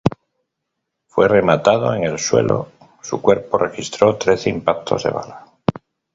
Fue rematado en el suelo, su cuerpo registró trece impactos de bala.